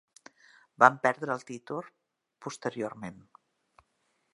Van perdre el títol posteriorment.